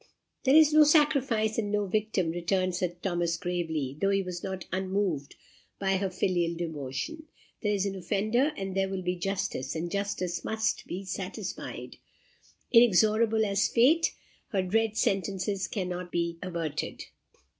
"There is no sacrifice, and no victim," returned Sir Thomas gravely, though he was not unmoved by her filial devotion. "There is an offender, and there will be justice; and justice must be satisfied. Inexorable as fate, her dread sentences cannot be averted."